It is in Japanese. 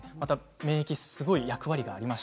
免疫はすごい役割があります。